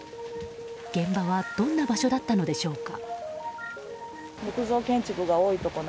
現場はどんな場所だったのでしょうか。